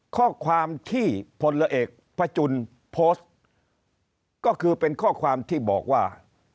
ข้อความที่พลเอกพระจุลโพสต์ก็คือเป็นข้อความที่บอกว่า